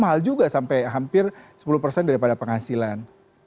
mungkin mahal juga sampai hampir sepuluh daripada penghasilan